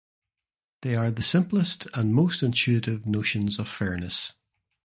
They are the simplest and most intuitive notions of fairness.